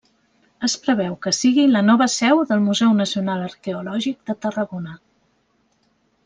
Es preveu que sigui la nova seu del Museu Nacional Arqueològic de Tarragona.